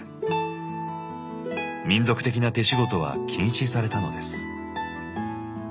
民族的な手しごとは禁止されたのです。